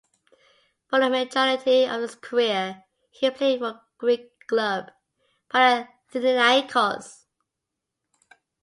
For the majority of his career he played for Greek club Panathinaikos.